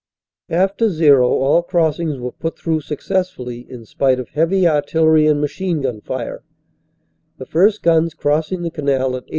After "zero" all crossings were put through successfully in spite of heavy artillery and machine gun fire, the first guns crossing the canal at 8.